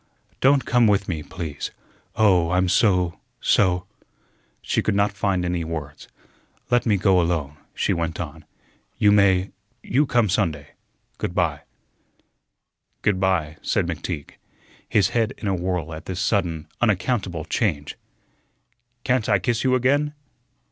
Don't come with me, please. Oh, I'm so so," she could not find any words. "Let me go alone," she went on. "You may you come Sunday. Good by." "Good by," said McTeague, his head in a whirl at this sudden, unaccountable change. "Can't I kiss you again?"